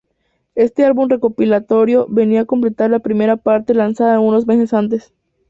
Éste álbum recopilatorio venía a completar la primera parte lanzada unos meses antes.